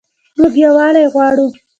موږ یووالی غواړو